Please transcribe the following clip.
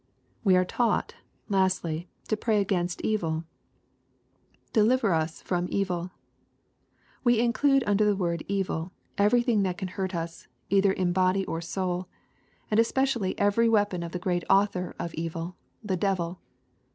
We are taught, lastly, to pray against evil : "Deliver us from evil." We include under the word evil, everything that can hurt U8,either in body or soul, and especially every 6 EXPOSITORY THOUGHTS. weapon of that great author of evil, the devil.